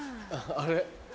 あれ？